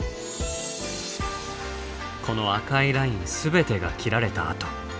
この赤いライン全てが斬られた痕。